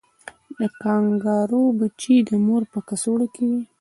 د کانګارو بچی د مور په کڅوړه کې وي